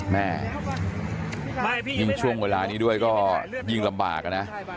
แม่ยิ่งช่วงเวลานี้ด้วยก็ยิ่งลำบากนะ